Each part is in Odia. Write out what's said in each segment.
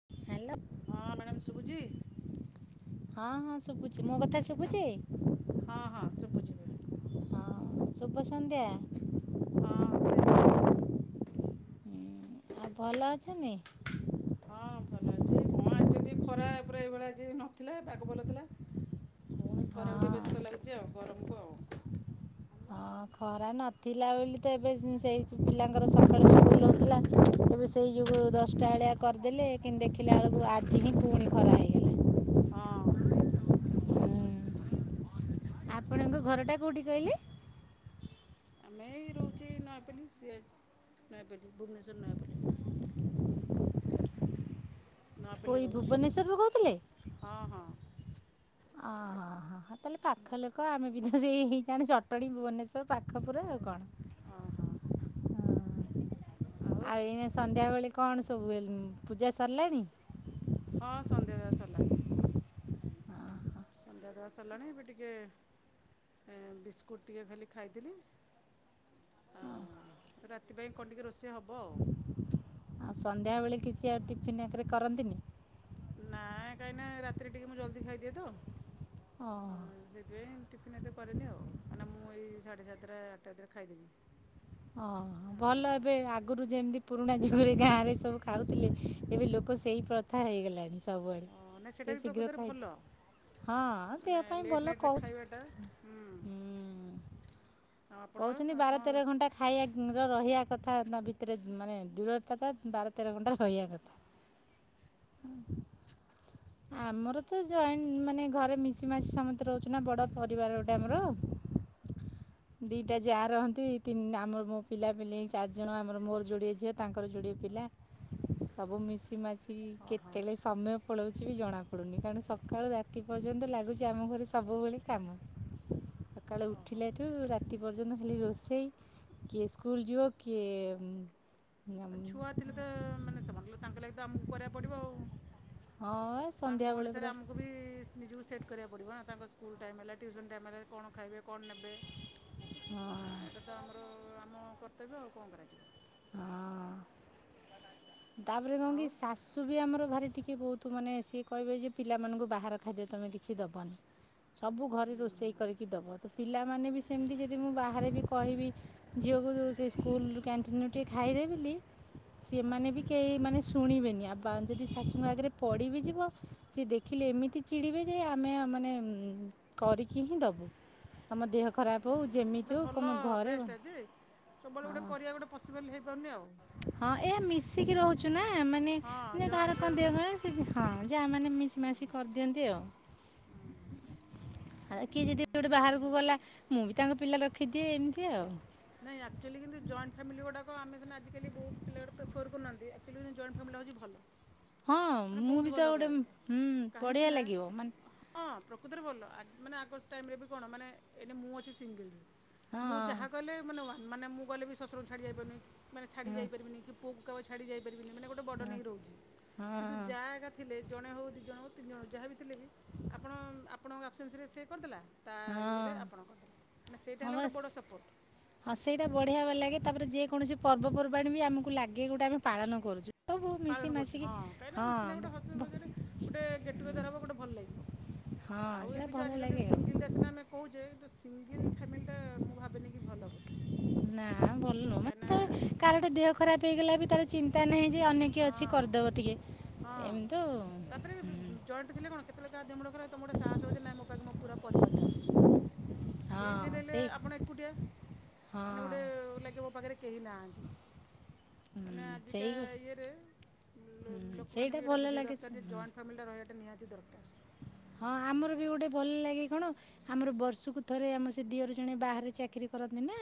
[unintelligible] ହଁ ମ୍ୟାଡ଼ାମ୍ ଶୁଭୁଚି। ହଁ ହଁ ଶୁବୁଚି। ମୋ କଥା ଶୁବୁଚି? ହଁ ହଁ ଶୁଭୁଛି ଏବେ ହଁ ଶୁଭ ସନ୍ଧ୍ୟା। ହଁ ସେମ୍ ଟୁ ୟୁ। ହୁଁ, ଆଉ ଭଲ ଅଛନ୍ତି। ହଁ ଭଲ ଅଛି କଣ ଆଜି ଯଦି ଖରା ପୁରା ଏଇଭଳିଆ ଆଜି ନଥିଲା ପାଗ ଭଲ ଥିଲା। ପୁଣି ଖରାକୁ ଟିକେ ହଁ ବ୍ୟସ୍ତ ଲାଗୁଚି ଆଉ ଗରମକୁ ଆଉ। [unintelligible] ପରା ନଥିଲା ବୋଲି ତ ଏବେ ସେଇ ପିଲାଙ୍କର ସକାଳ ସ୍କୁଲ ହେଉଥିଲା ଏବେ ସେଇ ଯୁଗୁ ତ ଦଶଟା ଅଳିଆ କରିଦେଲେ କିନ୍ତୁ ଦେଖିଲା ବେଳକୁ ଆଜି ହିଁ ପୁଣି ଖରା ହେଇଗ ହଁ। ହୁଁ ଆ ଆପଣଙ୍କ ଘରଟା କୋଉଠି କହିଲେ? ଆମେ ରହୁଚି ନୟାପଲ୍ଲୀ, ସିଏ ନୟାପଲ୍ଲୀ ଭୁବନେଶ୍ୱର ନୟାପଲ୍ଲୀ। ନୟାପଲ୍ଲୀ କୋଇ ରହୁଛି ଭୁବନେଶ୍ୱରରୁ କହୁଥିଲେ ହଁ- ହଁ। ଓ ହୋ। ହଁ- ହଁ ତାହେଲେ ପାଖ ଲୋକ ଆମେ ବି ତ ସେଇ, [unintelligible] ଚଟଣୀ ଭୁବନେଶ୍ଵର ପାଖପୁରା ଆଉ କଣ। ଓ ହୋ। ହ ଆଉ ଏଇନେ ସନ୍ଧ୍ୟାବେଳେ କଣ ସବୁ ହୁଏ, ପୂଜା ସରିଲାଣି? ହଁ ସନ୍ଧ୍ୟା ଦବା ସରିଲାଣି। ହ ସନ୍ଧ୍ୟା ଦବା ସାରିଲାଣି, ଏବେ ଟିକେ ବିସ୍କୁଟ୍ ଟିକେ ଖାଲି ଖାଇଥିଲି। ଆଉ ରାତି ପାଇଁ କଣ ଟିକେ ରୋଷେଇ ହବ ଆଉ। ଆଉ ସନ୍ଧ୍ୟା ବେଳେ କିଛି ଆଉ ଟିଫିିନ [unintelligible] କରନ୍ତିନି? ନାଇଁ କାଇଁ ନା ରାତିରେ ଟିକେ ମୁଁ ଜଲ୍ଦି ଖାଇଦିଏ ତ। ଓ ହୋ। ସେଥିପାଇଁ ଟିଫିନ୍ ଏବେ କରିନି ଆଉ, କାଇଁ ନା ମୁଁ ଏଇ ସାଢ଼େ ସାତଟା ଆଠଟା ଭିତରେ ଖାଇଦେବି। ଓ ହୋ ଭଲ ଆଉ ଏବେ ଆଗରୁ ଯେମତି ପୁରୁଣା ଯୁଗରେ ଗାଁରେ ସବୁ ଖାଉଥିଲେ, ଏବେ ଲୋକ ସେଇ ପ୍ରଥା ହେଇଗଲାଣି। ସବୁଆଡେ, ହଁ ନାଇଁ ସେଇଟା ସେ ବି ଶୀଘ୍ର ପ୍ରକୃତରେ ଖା ଭଲ ହଁ ମାନେ ଦେହ ପାଇଁ ଲେଟ୍ ଭଲ ନାଇଟ୍ରେ କହୁଛୁ ଖାଇବାଟା ହୁଁ। ଆଉ ଆପଣ କହୁଛନ୍ତି ବାର ଆପଣ ତେର ଘଣ୍ଟା ଖାଇବାର ରହିଆ କଥା ନା ଭିତରେ, ମାନେ ଦୂରତାଟା ବାର ତେର ଘଣ୍ଟା ରହିଆ କଥା। ହୁଁ ଆମର ତ ଜଏଣ୍ଟ ମାନେ ଘରେ ମିଶି ମାସି ସମସ୍ତେ ରହୁଛୁ ନା ବଡ ପରିବାର ଗୋଟେ ଆମର। ଦିଟା ଯାଆ ରହନ୍ତି ତିନି ଆମର ମୋ ପିଲାପିଲି ଚାରି ଜଣ, ଆମର ମୋର ଯୋଡିଏ ଝିଅ ତାଙ୍କର ଯୋଡିଏ ପିଲା। ସବୁ ମିଶି ମାସି କେତେବେଳେ ସମୟ ପଳଉଛି ବି ଜଣା ପଡୁନି, କାରଣ ସକାଳୁ ରାତି ପର୍ଯ୍ୟନ୍ତ ଲାଗୁଛି ଆମ ଘରେ ସବୁବେଳେ କାମ। ସକାଳେ ଉଠିଲେ ଠୁ ରା ତି ପର୍ଯ୍ୟନ୍ତ ଖାଲି ରୋଷେଇ କିଏ ସ୍କୁଲ ଯିବ, କିଏ ଆଉ ଛୁଆ ଥିଲେ ତ, ମାନେ ସେମାନଙ୍କ ତାଙ୍କ ଲାଗି ତ ଆମକୁ କରିବାକୁ ପଡ଼ିବ ଆଉ। ହଁ ବା। ତାଙ୍କ ଅନୁସାରେ ଆମକୁ ବି ନିଜକୁ ସେଟ୍ କରିବାକୁ ପଡ଼ିବ ନା, ତାଙ୍କ ସ୍କୁଲ୍ ଟାଇମ୍ ହେଲା, ଟିଉସନ୍ ଟାଇମ୍ ହେଲା, କଣ ଖାଇବେ, କଣ ନେବେ? ହଁ। ସେଇ ତ ଆମର ଆମ କର୍ତ୍ତବ୍ୟ ଆଉ କଣ କରାଯିବ। ହଁ। ତାପରେ କଣ କି ଆଉ ଶାଶୁ ଶାଶୁ ବି ଆମର ଭାରି ଟିକେ ବହୁତ ମାନେ ସିଏ କହିବେ ଯେ, ପିଲାମାନଙ୍କୁ ବାହାର ଖାଦ୍ୟ ତମେ କିଛି ଦବନି। ସବୁ ଘରେ ରୋଷେଇ କରିକି ଦବ, ତ ପିଲାମାନେ ବି ସେମିତି ଯଦି ମୁଁ ବାହାରେ ବି କହିବି ଝିଅକୁ ସେ ସ୍କୁଲ କ୍ୟାଣ୍ଟିନରୁ ଟିକେ ଖାଇଦେ ବୋଲି, ସେମାନେ ବି କେହି ମାନେ ଶୁଣିବେନି, ଆ ଯଦି ଶାଶୁଙ୍କ ଆଗରେ ପଡିି ବି ଯିବ ସେ ଦେଖିଲେ ଏମିତି ଚିଡିବେ ଯେ ଆମେ ମାନେ କରିକି ହିଁ ଦବୁ। ଆମ ଦେହ ଖରାପ ହଁ ହେଉ ଯେମିତି ସେଇଟା ହେଉ ଭଲ ତମେ ଘରେ ବେଷ୍ଟ ଯେ ସବୁବେଳେ ଗୋଟେ ହଁ କରିବା ଗୋଟେ ପସିବଲ୍ ହେଇପାରୁନି ଆଉ। ହଁ ଏ ମିଶିକି ରହୁଚ୍ ଚୁ ନା ମାନେ ହଁ କାହାର ଜଏଣ୍ଟରେ କଣ ଦିଅ ରହିଲା କହ ସେ ହଁ ଯାଆ ମାନେ ମିଶି ମାସି କରିଦିଅନ୍ତି ଆଉ। ଆଉ କିଏ ଯଦି ଗୋଟେ ବାହାରକୁ ଗଲା ମୁଁ ବି ତାଙ୍କ ପିଲା ରଖିଦିଏ ଏମିତି ଆଉ। ନାଇଁ ଆକ୍ଚଆଲି କିନ୍ତୁ ଜଏଣ୍ଟ ଫାମିଲ ଗୁଡ଼ାକ ଆମେ ସିନା ଆଜିକାଲି ବହୁ ପିଲା ପ୍ରେଫର୍ କରୁନାହାନ୍ତି। ଫିଲ୍ ହୁଏ ଯେମିତି ଜଏଣ୍ଟ ଫ୍ୟାମିଲି ଟା ହଉଚି ଭଲ। ହଁ ମାନେ ମୁଁ ବି ବହୁତ ତ ଭଲ ଗୋଟେ କହିଆକୁ ଗଲେ, ହୁଁ ବଢ଼ିଆ କାହିଁକିନା? ଲାଗିବ ମାନେ ହଁ ପ୍ରକୃତରେ ଭଲ ଆ-ମାନେ ଆଗ ଟାଇମରେ ବି କଣ ମାନେ ଏଇନେ ମୁଁ ଅଛି ସିଙ୍ଗଲ୍ ହଁ ମୁଁ ଯାହା କହିଲେ ମାନେ ମୁଁ ଗଲେ ବି ଶଶୁରଙ୍କୁ ଛାଡ଼ି ଯାଇପାରୁନି ମାନେ ଛାଡ଼ି ହଁ ଯାଇପାରିବିନି କି ପୁଅକୁ କାପା ଛାଡି ଯାଇ ପାରିବିନି ମାନେ ଗୋଟେ ବଡନ ନେଇ ରହୁଚି ହଁ କିନ୍ତୁ ଯାଆ ହେରିକା ଥିଲେ ଜଣେ ହଉ ଦୁଇ ଜଣ ହେଉ ତିନି ଜଣ ହଉ ଯାହାବି ଥିଲେ ବି ଆପଣ ଆପଣଙ୍କ ଆବସେନ୍ସରେ ସିଏ କରଦେଲା ତା ହଁ ଇଏରେ ଆପଣ କରିଦେଲେ ମାନେ ସେଇଟା ହଁ ହେଲେ ଗୋଟେ ବାସ୍ ବଡ଼ ସପୋର୍ଟ। ହଁ ସେଇଟା ବଢିଆ ବା ଆଉ ଲାଗେ ତାପରେ ଯେକୌଣସି ପର୍ବପର୍ବାଣୀ ବି ଆମକୁ ଲାଗେ ଗୋଟେ ଆମେ ପାଳନ କରୁଚୁ। ପାଳନ କରୁଚୁ ହଁ କାହିଁକିନା ମିସିିନା ଗୋଟେ ହସମଜାରେ ଗୋଟେ ଗେଟ୍ ଟୁଗେଦର ହବ ଗୋଟେ ଭଲ ଲାଗିବ। ହଁ ଆଉ ସେଇଟା ଏବେ ଯୋଉ ଭଲ ଆଜିକାଲି ଲାଗେ ଆଉ। ସିଙ୍ଗଲଡା ସିନା ଆମେ କହୁଚେ କିନ୍ତୁ ସିଙ୍ଗିଲ ଫ୍ୟାମିଲିଟା ମୁଁ ଭାବେନି କି ଭଲ ବୋଲି। ନା ଭଲନୁହୁଁ ମାନେ କାହିଁକିନା ତ କାହାର ଗୋଟେ ଦେହ ଖରାପ ହେଇଗଲା ବି ତାର ଚିନ୍ତା ନାହିଁ ଯେ ଅନେକ କିଏ ହଁ ଅଛି କରିଦବ ଟିକେ, ହଁ। ଏମିତି ଆଉ। ତାପରେ ଜଏଣ୍ଟ ଥିଲେ କଣ କେତେବେଳେ ଦେହମୁଣ୍ଡ ଖରାପ ହେଲେ ତମର ଗୋଟେ ସାହସ ହବ ଯେ ନା ମୋ ପାଖେ ମୋର ପୂରା ପରିବାରଟା ଅଛି। [inaudible] ହଁ ଏଇଥେରେ ହେଲେ ସେଇ ଆପଣ ଏକୁଟିଆ। ହଁ ମାନେ ଗୋଟେ ଲାଗିବ ମୋ ପାଖରେ କେହି ନାହାନ୍ତି, ମାନେ ହୁଁ, ସେଇ ଆଜିକା ହୁଁ, ଇଏରେ ରେ ଲୋ-ଲୋକମାନେ ସେଇଟା ବି ଏଇଟା ଭଲ ବୁଝିବା ଲାଗେ ଦରକାର ସେ- ଯେ ହୁଁ। ଜଏଣ୍ଟ ଫ୍ୟାମିଲିଟା ରହିବାଟା ନିହାତି ଦରକାର। ହଁ ଆମର ବି ଗୋଟେ ଭଲ ଲାଗେ କଣ ଆମର ବର୍ଷୁକୁ ଥରେ ଆମର ସେ ଦିଅର ଜଣେ ବାହାରେ ଚାକିରୀ କରନ୍ତି ନା?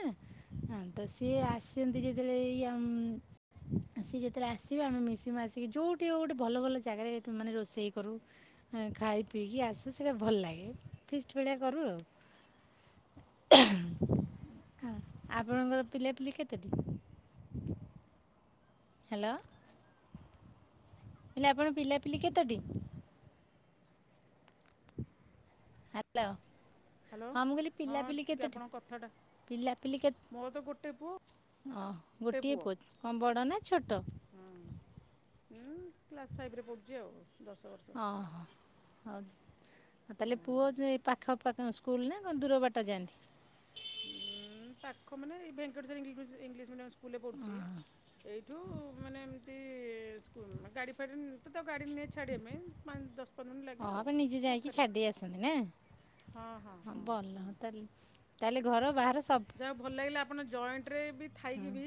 ହଁ ତ ସିଏ ଆସିନ୍ତି ଯେତେବେଳେ ଏଇ ୟଙ୍ଗ ସିଏ ଯେତେବେଳେ ଆସିବେ ଆମେ ମିଶିମାସିକି ଯୋଉଠି ହଉ ଗୋଟେ ଭଲ ଭଲ ଜାଗାରେ ମାନେ ରୋଷେଇ କରୁ। ଖାଇ ପିଇକି ଆସୁ ସେଇଟା ଭଲ ଲାଗେ ଫିଷ୍ଟ ଭଳିଆ କରୁ ଆଉ। ଆପଣଙ୍କର ପିଲାପିଲି କେତେଟି? ହାଲୋ ହେଲେ ଆପଣ ପିଲାପିଲି କେତୋଟି? ହାଲୋ। ହ୍ୟାଲୋ ହଁ ମୁଁ କହିଲି ହଁ ପିଲାପିଲି ଟିକେ କେତେଟି ଆପଣଙ୍କ କଥାଟା ପିଲାପିଲି କେତେ? ମୋର ତ ଗୋଟେ ପୁଅ ଅଁ ଗୋଟିଏ ପୁଅ କଣ ବଡ ନା ଛୋଟ? ହୁଁ କ୍ଲାସ୍ ଫାଇଭରେ ପଢୁଚି ଆଉ ଦଶ ବର୍ଷ। ଓହୋ ହଉ। ତାହେଲେ ପୁଅ ଯେ ପାଖପାଖ ସ୍କୁଲ ନା କଣ ଦୂର ବାଟ ଯାଆନ୍ତି? ଉଁ ପାଖ ମାନେ ଏଇ ଭେଙ୍କଟେଶ୍ୱରି ଇଂଲିଶ ମି ଇଂଲିଶ ମିଡ଼ିୟମ୍ ସ୍କୁଲ। ସ୍କୁଲରେ ପଢୁଚି ଏଇଠୁ ମାନେ ଏମିତି ସ୍କୁଲ ଗାଡ଼ି ଫାଡି ନ ମୁଁ ତ ଗାଡ଼ି ନିଏ ଛାଡିବା ପାଇଁ ଦଶ ପନ୍ଦର ମିନଟ ଓ ଲାଗେ ଆଉ ଆପଣ ନିଜେ ଯାଇକି ପାଖରେ। ଛାଡ଼ି ଦେଇ ଆସନ୍ତି ନା? ହଁ ହଁ ହଁ ଭଲ ହୁଁ। ତାହେଲେ ତାହେଲେ ଘର ବାହାର ସବ ଯାହା ହଉ ଭଲ ଲାଗିଲା ଆପଣ ଜଏଣ୍ଟରେବି ଥାଇକି ହୁଁ। ବି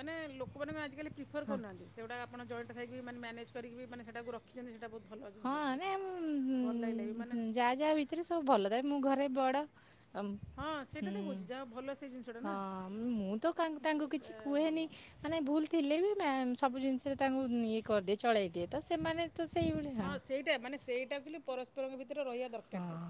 ମାନେ ଲୋକମାନେ ଆଜିକାଲି ପ୍ରିଫର୍ ହଁ କରୁନାହାନ୍ତି ସେଗୁଡ଼ା ଆପଣ ଜଏଣ୍ଟ ଖାଇକି ମାନ ମ୍ୟାନେଜ କରି ମାନେ ସେଟାକୁ ରଖ ଦେଖିଛନ୍ତି ସେଇଟା ବହୁତ୍ ଭଲ ହଁ ଜିନିଷଟେ ସେଟା ଭଲ ଲାଗିଲାବି ମାନେ ଯାହା ଭିତରେ ସବୁ ଭଲ ତାପ ମୁଁ ଘରେ ବଡ଼। ହଁ ହୁଁ ସେଇଟାତ କହୁଚି ଯାହା ହଉ ଭଲସେ ଜିନିଷଟା। ହଁ ନା ମୁଁତ କା ତାଙ୍କୁ ସେଇଟା କିଛି କୁହେନି‌। ଭଲ ମାନେ ଭୁଲ ଥିଲେବି ମା ସବୁ ଜିନିଷରେ ତାଙ୍କୁ ଇଏ କରିଦିଏ ଚଳେଇ ଦିଏ ତସେମାନେ ତ ସେଇଭଳି ହଁ ସେଇଟା ମାନେ ସେଇଟା ଥିଲେ ପରସ୍ ପରସ୍ପରଙ୍କ ଭିତରେ ରହିବା ହଁ ଦରକାର୍ ସେଇଟା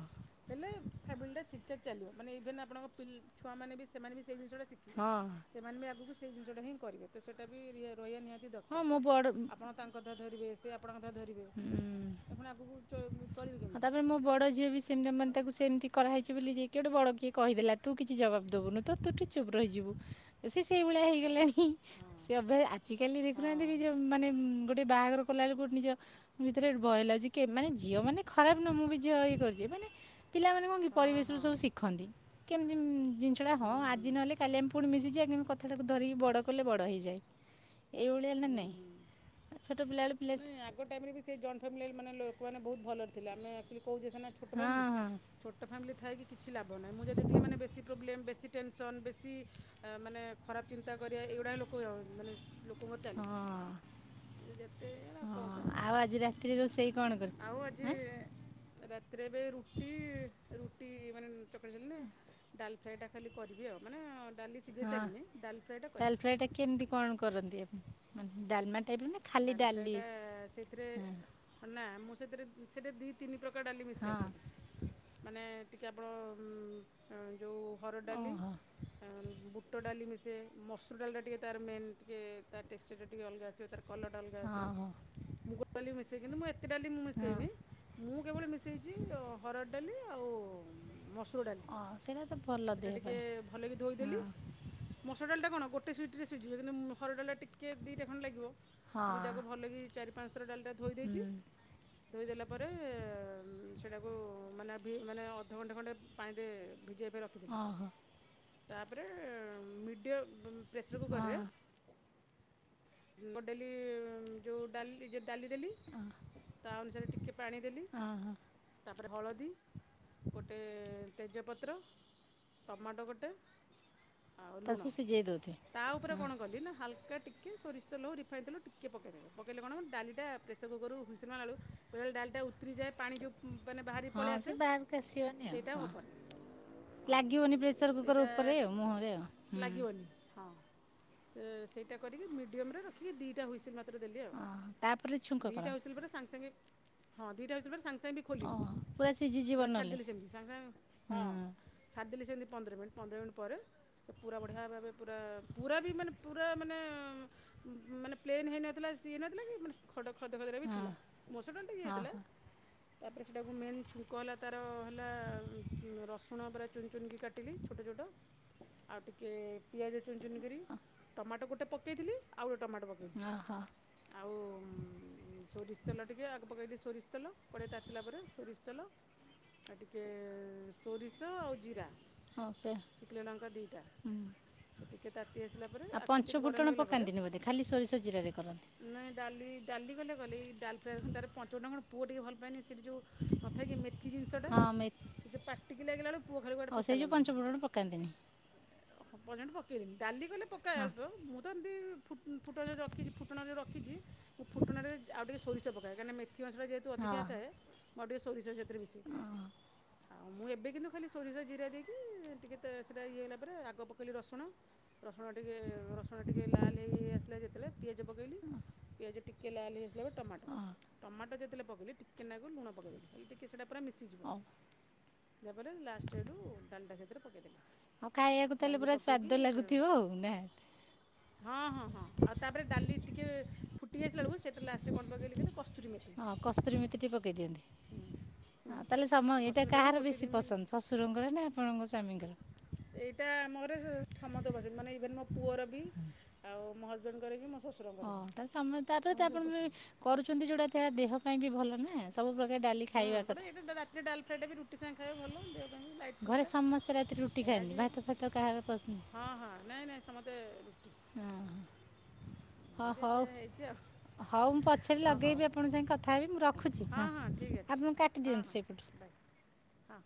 ହେଲେ ଫ୍ୟାମିଲିଟା ଠିକ୍ ଠାକ୍ ଚାଲିବ ମାନେ ଇଭେନ୍ ଆଣଙ୍କ ପିଲ ଛୁଆମାନେବି ସେମାନେବି ସେଇ ଜିନଷଟା ଶିଖିବେ ହଁ। ସେମାନେବି ଆଗକୁ ସେଇ ଜିନିଷଟାହିଁ କରିବେ ତସେଇଟାବି ରହିବା ନିହାତି ହଁ ଦରକାର୍ ମୋ ଆପଣ ତାଙ୍କୁ କଥା ଧରିବେ ସେ ଆପଣଙ୍କ କଥା ଧରିବେ ହୁଁ ଆପଣ ଆଗକୁ ଚଳିବେ ଆଉ କେମିତି ତାପରେ ମୋ ବଡ଼ ଝିଅବି ସେମିତି ମାନେ ତାକୁ ସେମିତି କରାହେଇଚି ବୋଲି ଯିଏ କିଏ ଗୋଟେ ବଡ଼ କିଏ କହିଦେଲା ତୁକିଛି ଜବାବ ଦବୁନୁ ତ ତୁଟିକେ ଚୁପ୍ ରହିଯିବୁ। ସେ ସେଇଭଳିଆ ହେଇଗଲାଣି। ହଁ ସେ ଅଭ୍ୟାସ ଆଜିକାଲି ହଁ ଦେଖୁନାହାନ୍ତିବି ଯୋଉ ମାନେ ଗୋଟେ ବାହାଘର କଲାବେଳେ ଗୋଟେ ନିଜ ଭିତରେ ଭୟ ଲାଗୁଚି ମାନେ ଝିଅ ମାନେ ଖରାପ୍ ନୁହଁ ମୁଁବି ଝିଅ ଇଏ କରିଚି ମାନେ ପିଲାମାନେ କଣକି ହଁ ହଁ ପରିବେଶରୁ ସବୁ ଶିଖନ୍ତି କେମିତି ଜିନିଷଟା ହଁ ଆଜି ନହେଲେ କାଲି ଆମେ ପୁଣି ମିଶିଯିବା କିନ୍ତୁ କଥାଟାକୁ ଧରିକି ବଡ଼ କଲେ ବଡ଼ ହେଇଯାଏ ଏଇଭଳିଆନା ହୁଁ ନାଇଁ। ହୁଁ। ଛୋଟ ପିଲାବେଳୁ ନାଇଁ ଆଗ ଟାଇମରେବି ସେଇ ଜଏଣ୍ଟ ଫ୍ୟାମିଲି ମାନେ ଲୋକମାନେ ବହୁତ୍ ଭଲରେ ଥିଲେ ଆମେ ଆକ୍ଚୁଲି କହୁଚେ ସିନା ଛୁ ଛୋଟ ହଁ ଫ୍ୟାମିଲି ଛୋଟ ଫ୍ୟାମିଲି ଥାଇକ କିଛି ଲାଭ ନାହିଁ ମୁଁ ଯାହା ଦେଖଥିଲି ମାନେ ବେଶୀ ପ୍ରୋବ୍ଲେମ୍ ବେଶୀ ଟେନସନ୍ ବେଶୀ ମାନେ ଖରାପ୍ ଚିନ୍ତା କରିବା ଏଇଗୁଡ଼ା ଲୋକ ମାନେ ଲୋକଙ୍କର ହଁ ଚାଲିଚି। ହଁ। ସେଇ ଅରା କଣ ହଁ କରାଯିବ ଆଉ ଆଜି ରାତିରେ ରୋଷେଇ କଣ କର ଆଉ ଆଜି ଆଁ ରାତିରେ ଏବେ ରୁଟି ରୁଟି ମାନେ ଚକଡ଼ିଚନ୍ତିନା? ଡାଲ୍ ଫ୍ରାଏଟା ଖାଲି କରିବି ଆଉ ମାନେ ଡାଲି ସିଝେଇ ହଁ ସାରିଲିନି ଡାଲ୍ ଫ୍ରାଏଟା ଡାଲ କରିମି। ଫ୍ରାଏଟା କେମିତି କଣ କରନ୍ତି ଆପଣ ମାନେ ଡ଼ାଲମା ଡାଲ୍ ଫ୍ରାଏଟା ସେଇଥିରେ ହଁ ନା ମୁଁ ସେଥିରେ ସେଟା ଦିଇ ତିନି ପ୍ରକାର ଡାଲି ମିସେ ଆକ୍ଚୁଲି ମାନେ ଟିକିଏ ଆପଣ ଯେଉଁ ହରଡ଼ ଡାଲି ଓହୋ ବୁ ବୁଟ ଡାଲି ମିଶେ ମସୁର ଡାଲିଟା ଟିକେ ତାର ମେନ୍ ଟିକେ ତାଟେଷ୍ଟଟା ଟିକେ ଅଲଗା ଆସିବ ତାର କଲରଟା ଅଲଗାଆସେ ହଁ ହୋ ମୁଗ ଡାଲି ମିଶାଇ କିନ୍ତୁ ମୁଁ ଏତେ ଡାଲି ମୁଁ ହଁ ମିଶାଇନି। ମୁଁ କେବଳ ମିଶେଇଚି ହରଡ଼ ଡାଲି ଆଉ ମସୁର ଡାଲି ଅ ସେଇଟା ତ ଭଲ ସେଟା ଦେହ ଟିକେ ପାଇଁ ଭଲକି ଧୋଇଦେଲି ହଁ ମସୁର ଡାଲିଟା କଣ ଗୋଟେ ସୁିଟିରେ ଶଝିବ କିନ୍ତୁ ହରଡ଼ ଡାଲିଟା ଟିକେ ଦିଟା ଖଣ୍ଡେ ଲାଗିବ ହଁ। ଦୁଇଟାକୁ ଭଲକିି ଚାରି ପାଞ୍ଚ ଥର ଡାଲିଟା ଧୋଇ ହୁଁ ଦେଇଚି ଧୋଇଦେଲା ପରେ ସେଇଟାକୁ ମାନେ ଭି ମାନେ ଅଧଘଣ୍ଟେ ଖଣ୍ଟେ ପାଣିରେ ଭିଜେଇବେ ର ଓହୋ ତାପରେ ମିଡ଼ିୟ ପ୍ରେସର ହଁ କୁକରରେ ମୁଗ ଡାଲି ଯୋଉ ଡାଲି ଯ ଡାଲି ଦେଲି ତା ଅନୁସାରେ ଟିକେ ପାଣି ଦେଲି ଓହୋ ତାପରେ ହଳଦୀ ଗୋଟେ ତେଜପତ୍ର ଟମାଟୋ ଗୋଟେ ଆଉ ତା ଲୁଣ ସବୁ ସିଝେଇ ଦଉଥିବେ। ତାଉପରେ ହଁ କଣ କଲିନା ହାଲ୍କା ଟା ଟିକେ ସୋରିଷ ତେଲ ହଉ ରିଫାଇନ୍ ତେଲ ଟିକେ ପକେଇଦେବେ ପକାଇଲେ କଣ ହବ ଡାଲିଟା ପ୍ରେସରକୁକରରୁ ହୁଇସିଲ୍ ମାରିଲା ବେଳୁ ବେଳେବେଳେ ଡାଲିଟା ଉତୁରିଯାଏ ପାଣି ଯେଉ ମାନେ ବାହାରି ହଁ ପଳେଇ ସେ ଆସେ ବାହାରକୁ ଆସିବନି ଆଉ ସେଇଟା ହଁ। ହବନି ହଁ ଲାଗିବନି ପ୍ରେସର କୁକର ସେଇଟା ଉପରେ ଆଉ ମୁହଁରେ ଆଉ ହୁଁ। ଲାଗିବନି ହଁ। ତ ସେଇଟା କରିକି ମିଡିମୟମ୍ ରେ ରଖିକି ଦିଟା ହୁଇସିଲ୍ ମା ଦେଲି ଆଉ ଓହୋ ତାପରେ ଛୁଙ୍କ କର ଦିଟା ହୁଇସିଲ୍ ପରେ ସାଙ୍ଗେ ସାଙ୍ଗେ ହଁ ଦିଟା ହୁଇସିଲ୍ ପରେ ସାଙ୍ଗେ ସାଙ୍ଗେ ଖୋଲିନି ଓହୋ ପୁରା ସିଝିଯିବ ସେଟା ନହେଲେ ଛାଡିଦେଲି ସେମତି ସାଙ୍ଗେ ସାଙ୍ଗେ ହଁ। ଛାଡିଦେଲି ସେମିତି ପନ୍ଦର ମିନିଟ୍ ପନ୍ଦର ମିନିଟ୍ ପରେ। ସେ ପୁରା ବଢିଆ ଭାବେ ପୁରା ପୁରା ବି ମାନେ ପୁରା ମାନେ। ମାନେ ପ୍ଲେନ୍ ହେଇନଥିଲା ସିଏଇ ନଥିଲା କି। ଖଡ ଖଦ ଖଦଡା ବି ଥିଲା ମସୁର ଟା ଟିକେ ହଁ ହେଇଥିଲା। ହଁ ତାପରେ ସେଇଟାକୁ ମେନ୍ ଛୁଙ୍କ ହେଲା ତାର ହେଲା ରସୁଣ ପୁରା ଚୁନ ଚୁନିକି କାଟିଲି। ଛୋଟ ଛୋଟ ଆଉ ଟିକିଏ ପିଆଜ ଚୁନ ଚୁନ କରି ଟମାଟୋ ଗୋଟେ ପକେଇଥିଲି। ଆଉ ଗୋଟେ ଟମାଟୋ ପକେଇବି ଓହୋ ଆଉ ସୋରିଷ ତେଲ ଟିକେ ଆଗ ପକେଇଲି ସୋରିଷ ତେଲ କଡେଇ ତାତିଲା ପରେ ସୋରିଷ ତେଲ ଆ ଟିକେ ସୋରିଷ ଆଉ ଜିରା। ହଉ ସେ ଶୁଖିଲ ଲଙ୍କା ଦିଟା ହୁଁ ଟିକେ ତାତି ଆସି ଆଉ ପଞ୍ଚ ଫୁଟଣ ପକାନ୍ତିନି ବୋଧେ ଖାଲି ସରିଷଜିରାରେ କରନ୍ତି। ନାଇଁ ଡାଲି ଡାଲି ଗଲେ ଗଲି ଡାଲ ଫ୍ରାଏ ଖ ତାର ପଞ୍ଚ ଟାଣ ପୁଅ ଟିକେ ଭଲପଏନି ସେଠି ଯେଉଁ ନଥାଏ କି ମେ ଏଠି ଜିନିଷଟା ହଁ ମେ ସେ ଯେ ପାଟିକି ଲାଗିଲା ବେଳ ପୁଅ ଖାଲିକୁ ଗୋଟେ ଓ ପିତା ସେଇ ଯେଉଁ ପଞ୍ଚ ଲାଗୁଛନ୍ତି। ଫୁଟଣ ପକାନ୍ତିନି ହଁ ପର୍ଯ୍ୟନ୍ତ ପକେଇଲିନି ଡାଲି କଲେ ହଁ ପକାଯାଉଥିବ ଅଳ୍ପ ମୁଁ ତ ଏମିତି ଫ ଫୁଟଣଁ ରି ଫୁଟଣ ଯେଉଁ ରି ମୁଁ ଫୁଟଣରେ ଆ ଟିକେ ସୋରିଷ ପକା କହିଁକନା ମେଥି ମସା ଯେ ତୁ ହଁ ଅଧିକା ଥାଏ ମୁଁ ଆଉ ଟିକେ ସୋରିଷ ସେଥିରେ ମିଶାଇ ଦିଏ। ଆଉ ମୁଁ ଏବେ କିନ୍ତୁ ଖାଲି ସୋରିଷ ଜିରା ଦେଇକି ଟିକେ ସେଇଟା ଇଏ ହେଲା ପରେ ଆଗ ପକେଇଲି ରସୁଣ। ରସୁଣ ଟିକେ ରସୁଣ ଟିକେ ଲାଲ ହେଇ ଆସିଲା ଯେତେବେଳେ ପିଆଜ ପକେଇଲି। ପିଜଜି ଟିକେ ଲାଲହେଇସସାରିବା ବେଳେ ଟମାଟୋ। ହଁ ଟମାଟୋ ଯେତେଳେ ପକେଇଲି ଟିକେନାକୁ ଲୁଣ ପକାଇଦେଲି ଖା ଟିକଏ ସେଇଟା ପା ମିଶିଯିବ। ହଉ ନପଲେ ଲାଷ୍ଟ ଏଇଠୁ ଡାଲଟା ସେଥିରେ ପକାଇଦେ। ଆଉ ଖାଇବାକୁ ତାହେଲେ ପୁରା ସ୍ଵାଦ ଲାଗୁଥିବ ଆଉ ନା। ହଁ ହଁ ହଁ ଆଉ ତାପରେ ଡାଲି ଟିକେ ଫୁଟି ଆସିଲା ବେଳକୁ ସେଇଟା ଲାଷ୍ଟରେ କଣ୍ଡ ପକେଇଲିଲେ କଷ୍ଟ- ହଁ କସ୍ତୁରମିତି ଟିକେ ପକେଇ ଦିଅନ୍ତି। ହୁଁ ତାହେଲେ ସମ ସେ ଏଇଟା କସ୍ତୁରୀ ମେଥି ପକେଇ କାହାର ଗୋଟେ ଦି ବେଶୀ ମିନିଟ୍ ପସନ୍ଦ ଶଶୁରଙ୍କର ନା ଆପଣଙ୍କ ସ୍ଵାମୀଙ୍କର? ଏଇଟା ଆମ ଘରେ ସମସ୍ତେ ପସିଛନ୍ତି ମାନେ ଇଭେନ୍ ମୋ ପୁଅର ବି ଆଉ ମୋ ହଜବେଣ୍ଡଙ୍କରେ ବିି ମ ଓହ ତା ସମୟ ତାପରେ ତ ଆପଣ କରୁଛନ୍ତି ଯୋଉଟା ଦେହ ପାଇଁ ବି ଭଲ ନା ସବୁ ପ୍ରକାର ଡାଲି ଖାଇବା ହଁ କଥା ଏଇଟା ରାତି ଡାଲ ଫ୍ରାଇଡେ ବି ରୁଟି ସାଙ୍ଗେ ଖାଇବା ଭଲ। ଘରେ ସମସ୍ତେ ରାତିରେ ରୁଟି ଖାଆନ୍ତି ଭାତ ଫାତ କାହାର ପସନ୍ଦ ହଁ ହଁ ନାଇଁ ନାଇଁ ସମ ହେ ହଁ ହଁ ଏ ହଉ ଯ ହୋଇଚ ଆଉ। ହଉ ମୁଁ ପଛରେି ଅ ହଉ ଲଗେଇବି ଆପଣଙ୍କ ସାଙ୍ଗେ କଥା ହେବି ମୁଁ ରଖୁଛି ହଁ ଠିକ୍ ଅଛି ଆପଣ ହଁ କାଟିଦିଅନ୍ତୁ ହଁ ସେଇପଟୁ। ବାଏ ହଁ ହଁ।